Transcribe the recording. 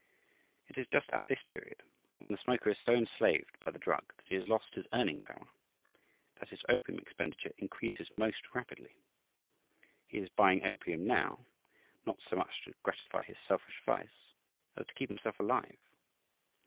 It is just at this period, when the smoker is so enslaved by the drug that he has lost his earning power, that his opium expenditure increases most rapidly. He is buying opium now, not so much to gratify his selfish vice, as to keep himself alive.